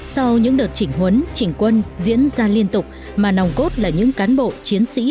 sau những đợt chỉnh huấn chỉnh quân diễn ra liên tục mà nòng cốt là những cán bộ chiến sĩ